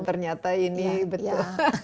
ternyata ini betul